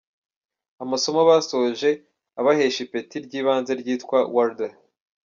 Amasomo basoje abahesha ipeti ry’ibanze ryitwa ‘Warder’.